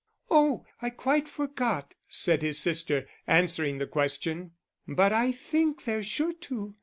"Oh, I quite forgot," said his sister, answering the question. "But I think they're sure to.